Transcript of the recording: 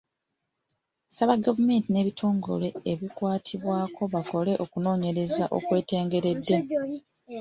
Nsaba gavumenti n’ebitongole ebikwatibwako bakole okunoonyereza okwetengeredde.